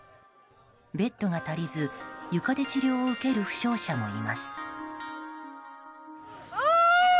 ベッドが足りず床で治療を受ける負傷者もいます。